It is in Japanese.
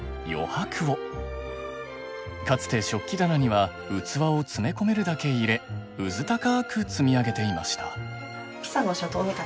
かつて食器棚には器を詰め込めるだけ入れうずたかく積み上げていました。